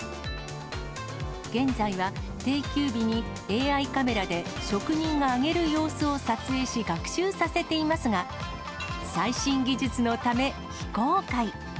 現在は、定休日にＡＩカメラで職人が揚げる様子を撮影し、学習させていますが、最新技術のため、非公開。